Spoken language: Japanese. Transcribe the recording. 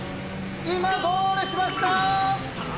今ゴールしました！